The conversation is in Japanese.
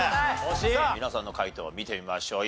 さあ皆さんの解答を見てみましょう。